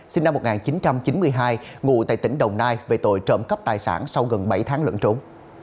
sinh năm một nghìn chín trăm chín mươi hai ngụ tại tỉnh đồng nai về tội trộm cắp tài sản sau gần bảy tháng lẫn trốn